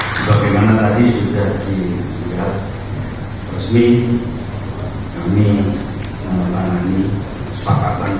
sebagaimana tadi sudah diingat resmi kami menelanani kesepakatan dengan politik